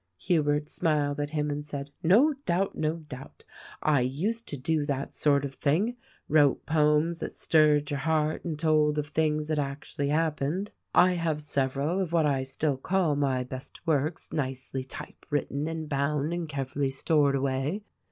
Hubert smiled at him and said, "No doubt, no* doubt! I used to do that sort of thing: wrote poems that stirred your heart and told of things that actually happened. I have several of what I still call my best works nicely type written and bound and carefully stored away.